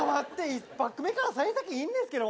１パック目から幸先いいんですけど。